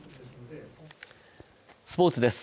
スポーツです。